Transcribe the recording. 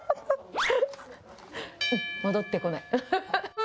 うん、戻ってこない。